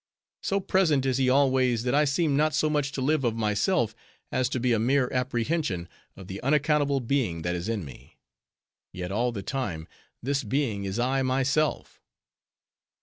So present is he always, that I seem not so much to live of myself, as to be a mere apprehension of the unaccountable being that is in me. Yet all the time, this being is I, myself."